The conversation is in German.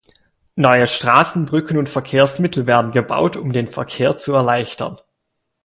Neue Straßen, Brücken und Verkehrsmittel werden gebaut, um den Verkehr zu erleichtern.